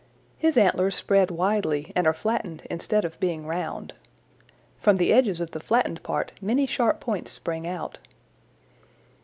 His antlers spread widely and are flattened instead of being round. From the edges of the flattened part many sharp points spring out.